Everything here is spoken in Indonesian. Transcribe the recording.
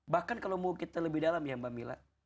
bahkan kalau mau kita lebih dalam ya mbak mila